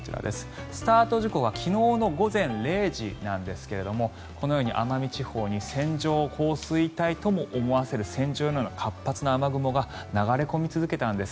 スタート時刻は昨日の午前０時なんですがこのように奄美地方に線状降水帯とも思わせる線状の活発な雨雲が流れ込み続けたんです。